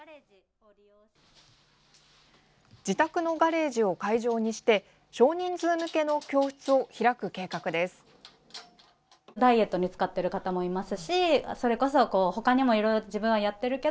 自宅のガレージを会場にして少人数向けの教室を開く計画です。